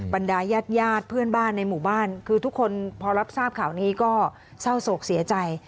บรรดายาดเพื่อนบ้านในหมู่บ้านคือทุกคนพอรับทราบข่าวนี้ก็เศร้าโศกเสียใจ